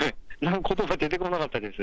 ことば、出てこなかったです。